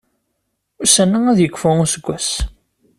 Ussan-a ad yekfu useggas.